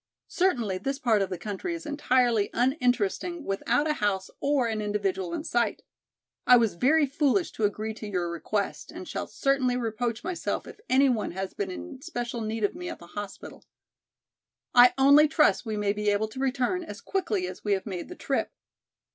Certainly this part of the country is entirely uninteresting without a house or an individual in sight. I was very foolish to agree to your request and shall certainly reproach myself if any one has been in special need of me at the hospital. I only trust we may be able to return as quickly as we have made the trip."